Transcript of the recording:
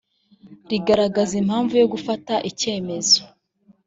rigaragaza impamvu yo gufata icyemezo